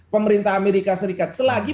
pemerintah amerika serikat selagi